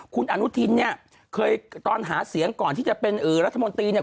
คุณอนุทินเนี่ยเคยตอนหาเสียงก่อนที่จะเป็นรัฐมนตรีเนี่ย